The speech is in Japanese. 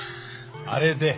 あれで？